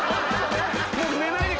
もう寝ないで。